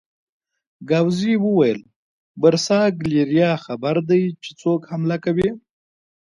ګاووزي وویل: برساګلیریا خبر دي چې څوک حمله کوي؟